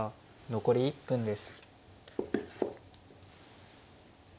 残り１分です。